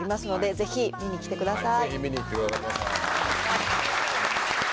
ぜひ見に行ってください。